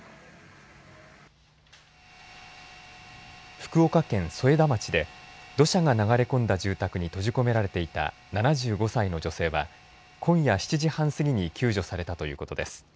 福岡県添田町で土砂が流れ込んだ住宅に閉じ込められていた７５歳の女性は今夜７時半過ぎに救助されたということです。